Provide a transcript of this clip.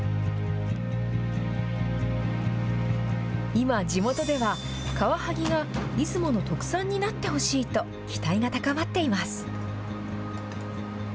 今、地元では、カワハギが出雲の特産になってほしいと、期待が高まっています。